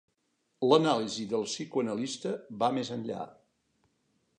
L'anàlisi del psicoanalista va més enllà.